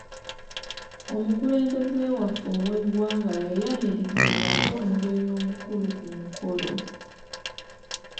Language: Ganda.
Omukulembeze waffe ow'eggwanga yayanirizibwa nga omugenyi omukulu ku mukolo.